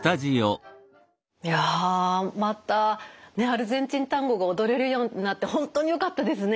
いやまたアルゼンチンタンゴが踊れるようになって本当によかったですね。